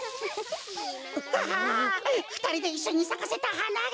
ああっふたりでいっしょにさかせたはなが！